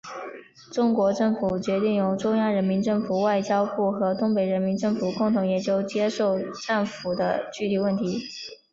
中国政府决定由中央人民政府外交部和东北人民政府共同研究接受战俘的具体问题。